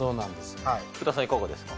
福田さん、いかがですか。